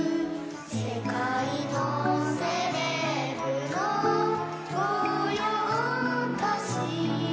「世界のセレブの御用達」